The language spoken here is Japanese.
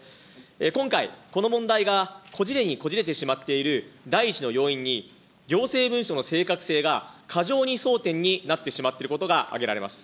今回、この問題がこじれにこじれてしまっている第一の要因に、行政文書の正確性が過剰に争点になってしまっていることが挙げられます。